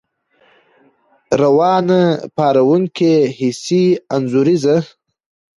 روانه، پارونکې، ، حسي، انځوريزه